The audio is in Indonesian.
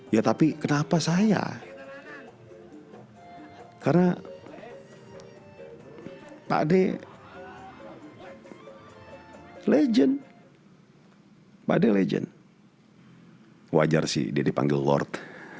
ya tapi kenapa saya karena pakde legend pade legend wajar sih dia dipanggil lord